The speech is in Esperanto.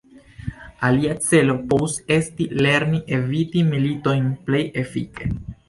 Alia celo povus esti lerni eviti militojn plej efike.